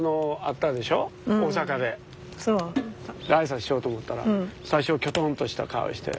で挨拶しようと思ったら最初キョトンとした顔して。